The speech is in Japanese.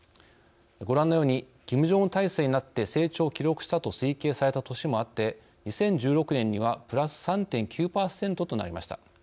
ご覧のようにキム・ジョンウン体制になって成長を記録したと推計された年もあって２０１６年にはプラス３．９％となりました。